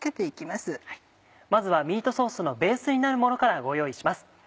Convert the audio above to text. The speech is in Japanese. まずはミートソースのベースになるものからご用意します。